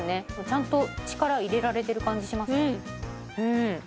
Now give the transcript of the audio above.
ちゃんと力入れられてる感じします。